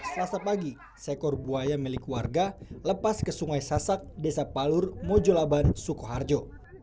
selasa pagi seekor buaya milik warga lepas ke sungai sasak desa palur mojolaban sukoharjo